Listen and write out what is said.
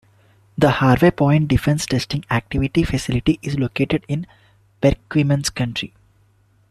The Harvey Point Defense Testing Activity facility is located in Perquimans County.